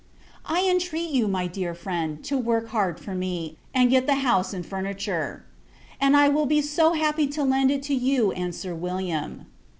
I entreat you, my dear friend, to work hard for me, and get the house and furniture; and I will be so happy to lend it to you and Sir William!